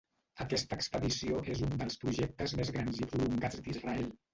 Aquesta expedició és un dels projectes més grans i prolongats d'Israel.